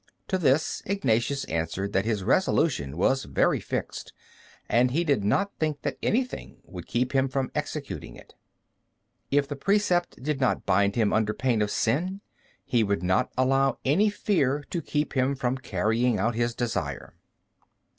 To this Ignatius answered that his resolution was very fixed, and he did not think that anything would keep him from executing it. If the precept did not bind him under pain of sin, he would not allow any fear to keep him from carrying out his desire.